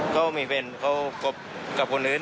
เขามีเพล็นเขากับคนอื่น